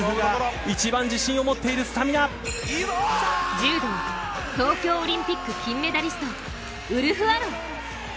柔道、東京オリンピック金メダリストウルフアロン。